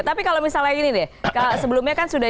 tapi kalau misalnya gini deh sebelumnya kan sudah